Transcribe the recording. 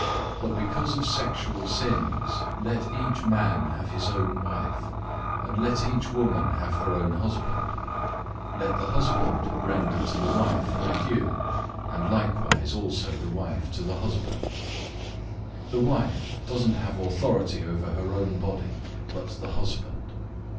007:002 But, because of sexual immoralities, let each man have his own wife, and let each woman have her own husband. 007:003 Let the husband render to his wife the affection owed her, and likewise also the wife to her husband. 007:004 The wife doesn't have authority over her own body, but the husband.